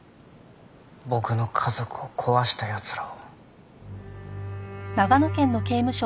僕の家族を壊した奴らを。